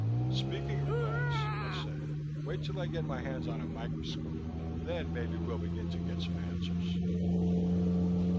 "Speaking of glass," I said. "Wait till I get my hands on a microscope. Then maybe we'll begin to get some answers."